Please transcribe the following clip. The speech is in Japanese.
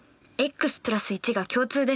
ｘ＋１が共通です。